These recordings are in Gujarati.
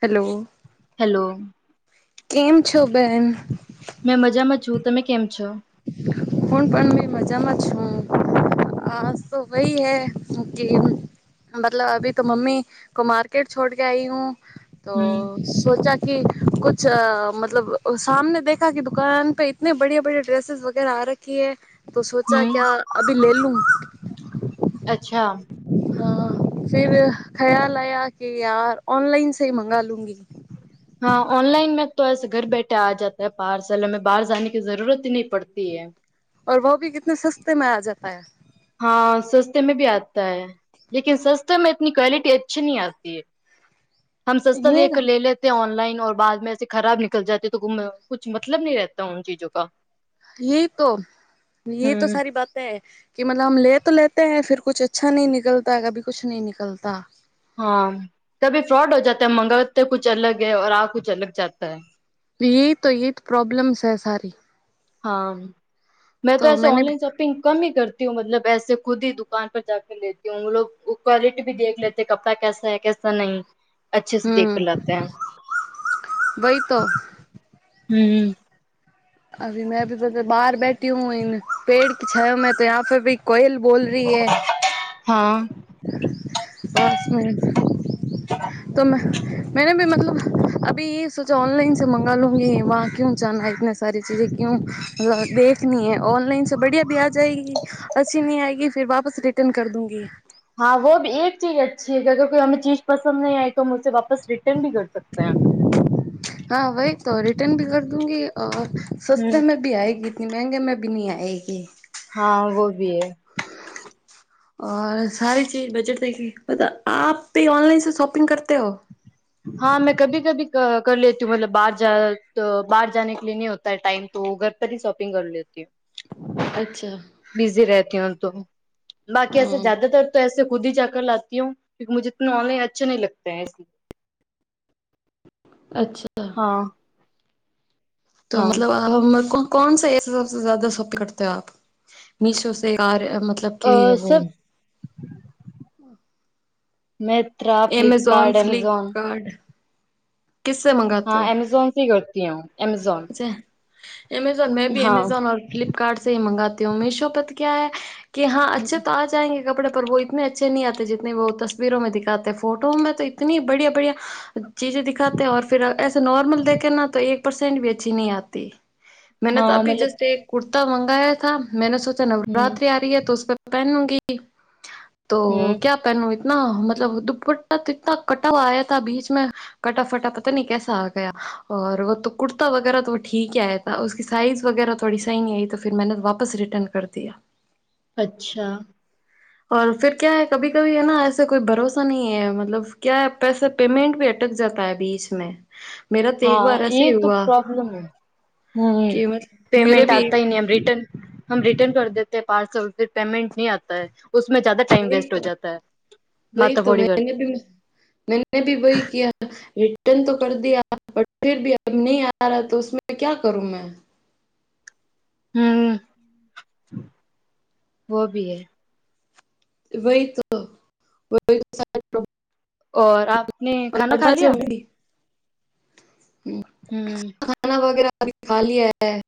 હેલો. હેલો. કેમ છો બેન. મેં મજામાં છું તમે કેમ છો. હું પણ મે મજામાં છું આ તો ભહી હૈ હું કે મતલબ અભી તો મમ્મી કો માારકેટ છોડ કે આઈ હું તો હમ સોચા કે કછ અ મતલબ સામને દેખા કે દુકાન પે તને બડિયા બડયા. ડ્રેસેસ વગેરે આ રખીે તો સોચા હમ ક્યા અભી લે લુ અચ્છા. હા ફર ખ્યાલ આયા કે યાર ઓનલાઈન સ મંગા લુંંગી હા ઓનલાઇન મે તો પરસ્સ ઘર બેઠા આ જતા પહારસલ હ બહાર જની કે જરૂરત નહી પડતી હે ઓ વહ ભી કિતને સસ્તે મે આ જાતા હૈ. હા સસ્તે મે ભી આતા હૈ. લકન સસ્તામાં એતની ક્વલિટી અચ્છી નહી આતી હ હમ સસ્તા દે લ લે ઓનલાઈન બાદ ખરાબ નિકલ જતે તો કછ મતલબ ન રહેતા ચીજો ક એ તો એ તો સારી બાત હૈ કે મતલબ હમ લે તો લેતે હૈ ફિર કુછ અચ્છા નહી નિકલતા કભી કુછ નહી નિકલતા. હા કભી ફ્રોડ હો જતા મંગવાતા કુછ અલગ હૈ આ કુછ અલગ જતા હ. એ તો એ તો પ્રોબ્લેમ્સ છેૈ સારી હા મેં તો એસે ઓનલાઈન શોપિંગ કમ હ કરતી હું મતલબ એસે ખુદી દુકાન પર જા કર લતી હું ક્વલિટી ભ દેખ લે કપડા કેસાૈ કેસા એા નહીં અચ્છે દેખ લતે હૈ. હમ. અભી મેં ભી બ બહાર બેઠી હું પેડ છા મેં તો પે ભી કોયલ- - બોલ રહી હે. હા. પાંચ મિનિટ તો મેને ભી મતલબ અભી એ સોચા ઓનલાઈન સ મંગા લુંંગી વા- - કું જાના એતને સારી ચીજે કું દેખની હ ઓનલાઇન સ બઢિયા ભી આ જાયગી- - અછી ન આયગ ફર વાપસ રિટર્ન કર દુગી હા વી એક ચીજ અચ્છી હ કે અગર કોઈ હમે ચીજ પસંદહી આવીઈ તો હ વાપસ રિટર્ન ભી કર શકતે હે. હા ભહી તો રિટર્ન ભી કર દુંગી સસ્તા મે ભી આયેગી ને મંંગે મેં બી નહી આયેગી હા વોભી હે. અ સારી ચીજ બજટ દેખી બતા આપભી ઓનલાઈન સ શોપિંગ કરતે હો? હા મેં કભી કભી કર લેતી હું મતલબ બહાર તો બહાર જાને કે નહી હોતા ટાઈમ. તો ઘર પરથી શોપિંગ કરીલેતી હુ. અચ્છા. બિઝી રહેતી હું તો બાકી એસે જ્યાદા તર તો એસે ખુદ હી જા કર લાતી હું. ક મુજે ઓલાઈ અચ્છા ની લગતા ઇસલી અચ્છા. હા. તો મતલબ- - કોનસા સદ સોફ કર હો આપ મીશો કાર મતલબ- - કે લિયે હો- - એમેઝોન ફ્લિપકાર્ટ કિશે મંગાવ- - હા અમેઝોન સ કરતી હું અમેઝોન અમેઝોન મેં ભી અમેઝોન ફ્લિપકાર્ટ મંગાતી હું મીશો પર ક્યા હે- - કે હા અચ્છા તો આજ- - જંગે કપડે પર વ ઇતને અચ્છેહી આતે જતને વ તસવીરરોમાં દિખાતે ફોટોમાં તો તની બડિયા બડિયા- - ચીજે દિખાતે ફર એ નોર્મલ દેખે તો એક પરસેન્ટી અ- - આતી મેને તો અભી જસે એક કુર્તા મંગાયા થા- - મેને સોચા નવરાત્રી આ રહી હૈ તોપે પહેનુંંગી તો ક્યા- - નું એતના મતલબ દુપટ્ટાના કટવા આયા થ બીચ મે- - કટાફટ પતા ન કેસ આ ગયા ઓર વોતો- - કતા વગેરા તો ઠીકયા હતા સ સાઇઝ વગેરા થોડી સહી ન આવીઈ તો ફ મેને વાપસ રિટર્ન કર દીયા અચ્છા. ફે ક્યા હૈ કભી કભી હૈ એસે કોઈ ભરોસા ન હ મતલબ ક્યા પેસે- - પેમમેન્ટ ભી અટક જતા હ અ બીચ મેં- - હા એ તો- - હમ્મ પેમેન્ટ આવતા નઈ એમ રિટન- - [unintelligible] બહી તો મેને મેને ભી બહી કયા. [unintelligible] હમ્મ વોભી હૈ વહી તો વ- - ઓર આપને ખાના ખા લીયા? હમ. હમ્મ ખાના વગેરે અભી ખા લીયા હૈ.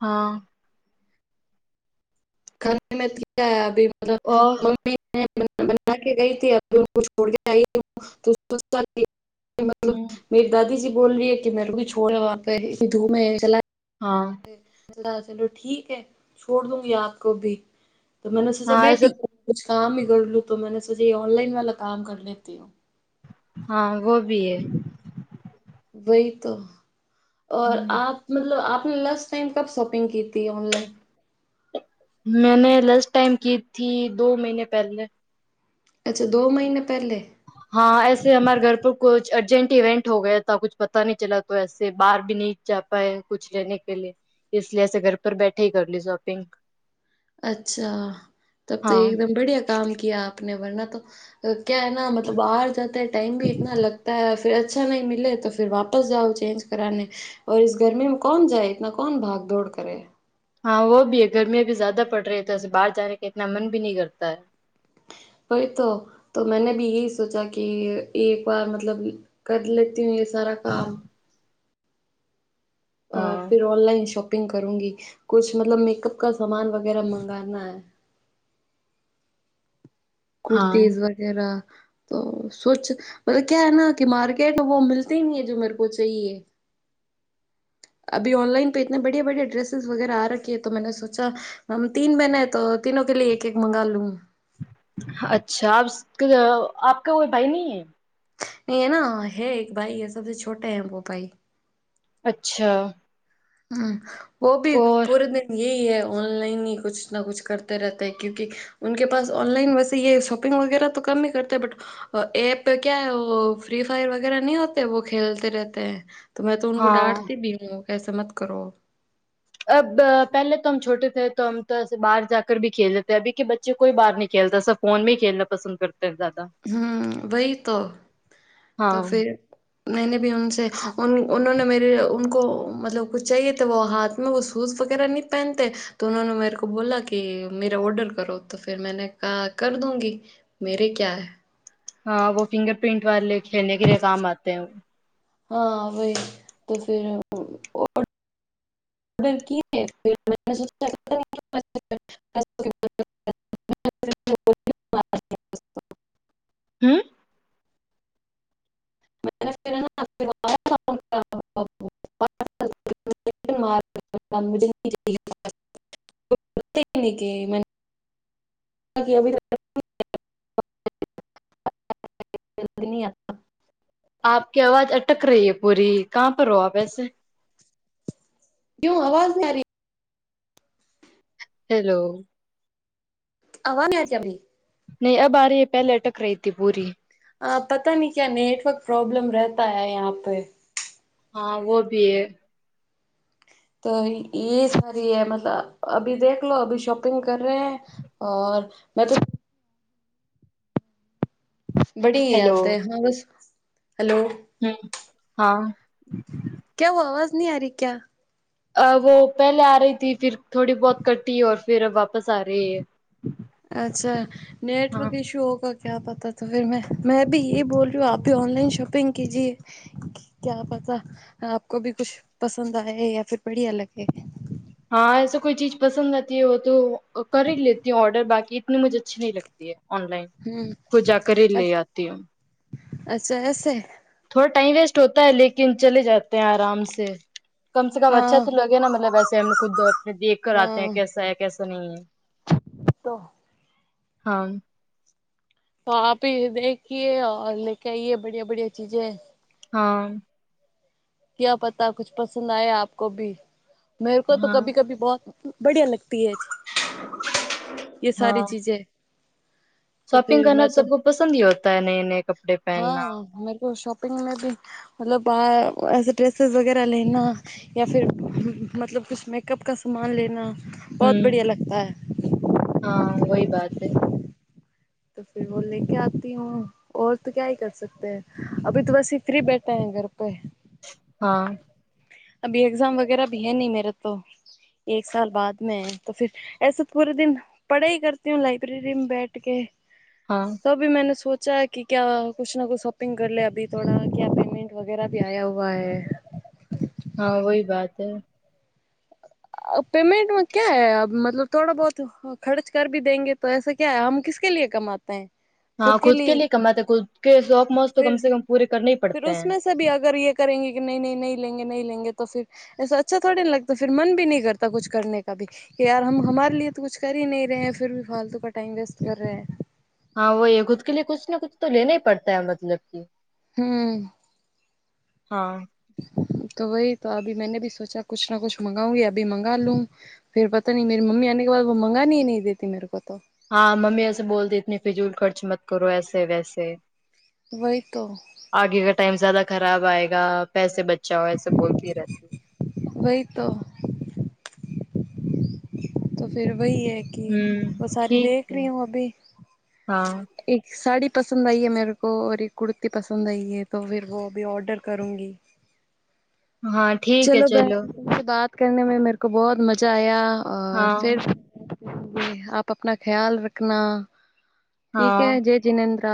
હા. ખા અ મલબ મમ્ [unintelligible] [unintelligible] મતલબ મેરી દાદીજીી બોલ રહી હ કે મ મે રી છોડડાેે ધૂુ હ ચલા હા [unintelligible] કુછ કામ કર લું તો મેને સોચા ઓનલાઈન વાલા કામ કર લેતી હું હા વહ ભી હૈ વહી તો આપ મતલબ આપને લશ [inaudible] [inaudible] ટાઈમ કપ શોપિંગ હતી ઓનલાઈન મેને લંચ ટાાઈમ ક થી દ મહિને પહેલે [unintelligible] [unintelligible] ચપાય કુછ લેને કે લ લીય ઘર પર બેઠે હ કરલી શોપિંગ અચ્છા તબ તો એકદમ બડિયા કામ કિયા આપને વરના તો [unintelligible] [unintelligible] [unintelligible] [unintelligible] વહી તો તો મેને ભી યહી સોચા કે એક વાર મતલબ કર લેતી હું યે સારા કામ ફર ઓનલાઇન શોપિંગ કરુંંગી કછ મતલબ મેકઅપ કા સમાન વગેરા મંગા હ કુર્તીઝ વગેરા [unintelligible] [inaudible] [unintelligible] [unintelligible] અચ્છા આપકા કોઈ ભાઈ નહી હૈ હેના હૈ એક ભાઈ વેસે તો છોટા હૈ વો ભાઈ અચ્છા હમ વો ભી પૂરે દિન [unintelligible] ઉનકે પાસ ઓનલાઇન વૈસે એ શોપિંગ વગેરા તો કમ ન કરતા બટ એપ ક્યા ફ્રી ફાયર વગેરા નહી હોતે વ ખેલતી રહેતે હ તો મેં તોઊ ડાંટતી ભી હું કસ મત કરો અબ પહેલે તોમ છોટે થે તો હમ તો બહાર જા કર ભ ખેલેતે અભી કે બચ્ચે કોઈ બહારહી ખેલતા સબ ફોન મે ખેલના પસંદ કરતા જાદા [unintelligible] મેને ભીને ઉનસે મેરેકો મતલબ ક ચાએ તો વ હાથ વ સૂઝ વગેરે નંહી પહેનતે તો ને મેરે કો બોલા કે મેરા ઓર્ડર કરો તો ફિર મેને કા કર દુંગી મેરે ક્યા હા વો ફિંગર પરિન્ટ વાલે ખેલને કે લિએ કામ આતે હ હા વ ઈ તો ફિર [inaudible] હમ [unintelligible] [unintelligible] [unintelligible] [inaudible] આપ કી આવાજ અટક રહીે પૂરી કહા પર હો આપ એસે ક્યો અવાજ આરી હેલો [unintelligible] નહી અબ આ રહીે પહેલે અટક રહીતી પૂરી અ પતા નહી ક્યા નેટવર્ક પ્રોબ્લમ રહેતા હૈ યહા પે હા વો ભી હૈં. તો યે સારી હે મતલબ અભી દેખલો લો અભી શોપ કર રહે હૈ ઔર મતલબ બડીયાત હા બસ હેલો હમ હા ક્યા હુઆ અવાજ નહી આ રહી હૈં ક્યા અ વો પહેલે આ રહી થી ફર થોડી બહુત કટી ઔર ફિર વાપસ આ રહી હૈં. અચ્છા નેટવર્ક ઇશુ હોગા ક્યા પતા તો ફર મેં મેં ભી એહી બોલ રહી હું આપભી ઓનલાઇન શોપિંગ કીજીએ. ક્યા પતા આપકો ભી કુછ પસંદ આયે યા ફિર બઢિયા લગે હા એસ કોઈ ચીજ પસંદ આતી હો તો કરી લેતી હું ઓર્ડર બાકી ઇતની મુજે અચ્છી નહી લગતી હૈ. ઓનલાઈન ખુદ જાકર લે આતી હું. અચ્છા એસે થોડા ટાઈઇમ વેસ્ટ હોતા હૈં લેકિન ચલે જા હૈં આરામસે કમસે કમ અચ્છા તો લગે ના મતલબ વેસે ખુદ દેખ કર આતેે હૈં કેસા હૈ કેસા નહી. [unintelligible] [unintelligible] તો આપી દેખએ લેકે આઈએ બડિયા બડિયા ચીજે હા. ક્યા પતા કુછ પસંદ આયા આપક ભી મે કો તો કભી કભી બહુત બડિયા લગતી હૈ યે સારી ચીજે શોપિંગ કરના તો સબકો પસંદી હોતા નયે નયે કપડે પહેનના [unintelligible] દિન મે ભી મતલબ બહાર એસે ડ્રેસેસ વગેરે લેના યા ફીર મતલબ કુછ મેકઅપ કા સામાન લેના બહુત બઢિયા લગતા હૈ. હા વહી બાત હૈ. તો ફિર વો લેકે આતી હું. ઓ તો ક્યાય કર સકતે હૈં અભી તો વેસે ફ્રી બેઠા હૈ ઘર પે હા અભી એક્ઝામ વગેરા ભી હૈ નહી મેરા તો એક સાલ બાદ મે હૈં તો ફિર એસ પૂરે દન પડાઈ કરતી હું લાાઈબ્રેરીમેં બેઠ કે હા. તોભી મેને સોચા કે ક્યા કુછ ના કુછ શોપિંગ કર લે અભી થોડા ક્યા પેમન્ટ વગેરે ભી આયા હુઆ હૈં. હા વહી બાત હૈ. પેમેન્ટન્ટમાં ક્યા હૈ મતલબ? થોડા બહુત ખર્ચ કર ભી દેગે. તો એસા ક્યા? હમ કિસ કે લીયે કમાતે હૈ? હા ખુદ કે લીયે કમાતે હૈં ખુદ કે શોક મોજ તો કમસે કમ પૂરે કર ફિર ઉસમેં સે ભી અગર એે કરેગે કે નઈ નઈ નહી લેગે નહી લેગે તો ફિ એસ અચ્છા થોડી ના લગતો મન ભી નહી કરતા કુછ કરને કા. કે યાર હમ હમાર લે તો કુછ કર નહી રહે ફર ભી ફાલતુ ક ટાઈમ વેસ્ટ કર રહેે. હા વહી ખુદ કે લીયે કુછ ના કુછ તો લેના પડતા હૈં મતલબ કે. હમ હા તો વહી તો અભી મેને ભી સોચા કુછ ના કુછ મંગવાઉ યા અભી મંગા લું? ફેર પતા ન મેરી મમી આને કે બાદ મંગગાનીહી દેતી. હા મમી એસે બોલતી એતની ફિજૂલ ખર્ચ મત કરો એસે વેસે. વય તો આગે કા ટાઈમ જ્યાદા ખરાબ આયગ પૈસે બચા હો એસ બોલતી રહેતી. હોઈ તો તો ફર વહી હૈ કે બ સારી દેખ રહી હું અભી. એક સાડી પસંદ આઈ હ મેરે કો એક કુરતી પસંદ આઈ એ તો ફર વ અભી ઓર્ડર કરુંગી. હા ચલો બહેન બાત કરને મે મે કો બહુત મજા આયા ફિર આપ અના ખ્યાલ રખના. ઠીક હે જય જિનેન્દ્ર!